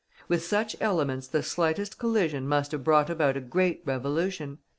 With such elements the slightest collision must have brought about a great revolution.